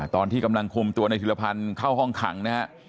ตอนที่กำลังคุมตัวในธิรพันธ์เข้าห้องขังนะฮะ